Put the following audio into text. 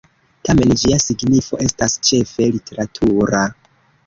Tamen ĝia signifo estas ĉefe literatura.